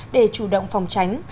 để chủ động phòng tránh